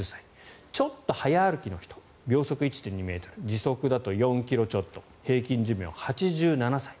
ちょっと早歩きの人秒速１．２ｍ時速だと４ｋｍちょっと平均寿命８７歳。